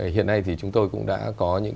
hiện nay thì chúng tôi cũng đã có những